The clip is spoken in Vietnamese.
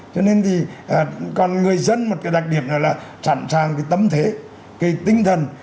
cho nên thì còn người dân một cái đặc điểm là sẵn sàng cái tấm thế cái tinh thần